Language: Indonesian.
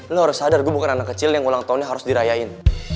lo harus sadar gue bukan anak kecil yang ulang tahunnya harus dirayain